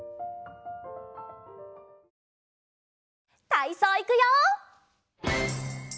たいそういくよ！